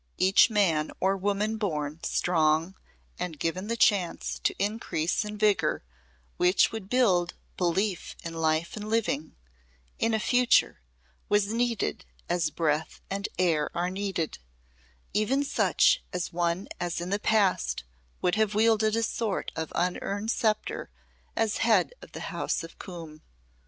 Each man or woman born strong and given the chance to increase in vigour which would build belief in life and living, in a future, was needed as breath and air are needed even such an one as in the past would have wielded a sort of unearned sceptre as a Head of the House of Coombe.